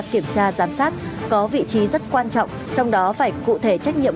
kiểm tra giám sát có vị trí rất quan trọng trong đó phải cụ thể trách nhiệm